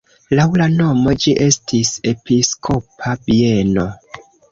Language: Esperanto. Laŭ la nomo ĝi estis episkopa bieno.